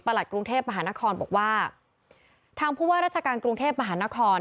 กรุงเทพมหานครบอกว่าทางผู้ว่าราชการกรุงเทพมหานคร